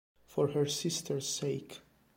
For Her Sister's Sake